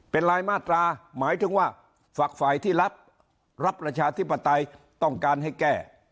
เป็นรายมาตราหมายถึงว่าฝักฝ่ายที่รับรับประชาธิปไตยต้องการให้แก้